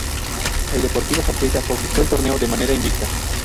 El Deportivo Saprissa conquistó el torneo de manera invicta.